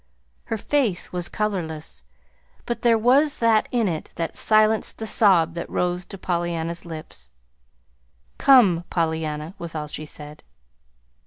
Her face was colorless; but there was that in it that silenced the sob that rose to Pollyanna's lips. "Come, Pollyanna," was all she said.